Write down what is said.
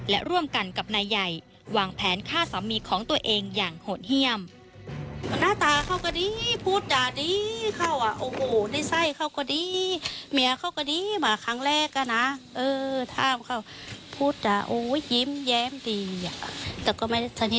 และร่วมกันกับนายใหญ่วางแผนฆ่าสามีของตัวเองอย่างโหดเยี่ยม